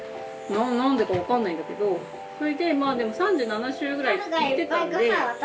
何でかわかんないんだけどそれでまあでも３７週ぐらいいってたんで。